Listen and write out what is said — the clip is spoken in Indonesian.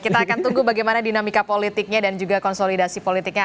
kita akan tunggu bagaimana dinamika politiknya dan juga konsolidasi politiknya